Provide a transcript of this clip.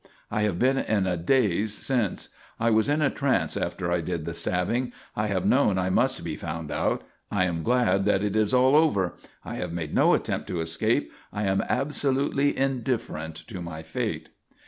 I have been in a daze since; I was in a trance after I did the stabbing. I have known I must be found out. I am glad that it is all over. I have made no attempt to escape. I am absolutely indifferent to my fate."